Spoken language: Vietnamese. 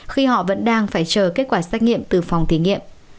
khi họ vẫn đang phải chờ kết quả xét nghiệm từ phòng thí nghiệm